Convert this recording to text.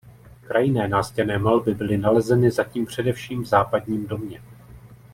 Krajinné nástěnné malby byly nalezeny zatím především v "Západním domě".